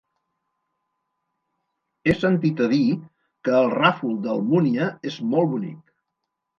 He sentit a dir que el Ràfol d'Almúnia és molt bonic.